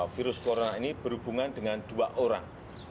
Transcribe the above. virus corona ini berhubungan dengan dua orang